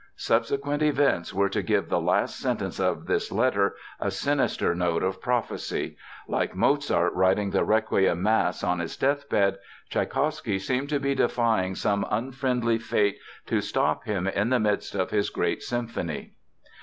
Subsequent events were to give the last sentence of this letter a sinister note of prophesy. Like Mozart writing the Requiem Mass on his deathbed, Tschaikowsky seemed to be defying some unfriendly fate to stop him in the midst of his great symphony.